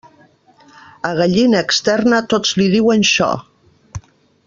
A gallina externa, tots li diuen xo.